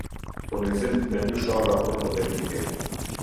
Furnizim me dy sharra ortopedike